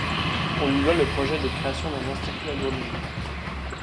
On lui doit le projet de création d'un Institut agronomique.